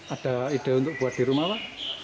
ada ide untuk buat di rumah pak